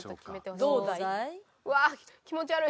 どうだい？